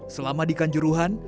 selama di kanjuruhan